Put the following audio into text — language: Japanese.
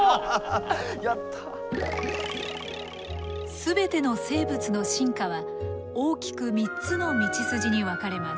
全ての生物の進化は大きく３つの道筋に分かれます。